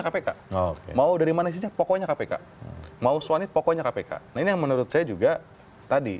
kpk mau dari mana sih pokoknya kpk mau suami pokoknya kpk ini yang menurut saya juga tadi